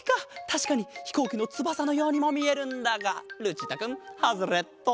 たしかにひこうきのつばさのようにもみえるんだがルチータくんハズレット！